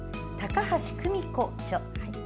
高橋久美子・著。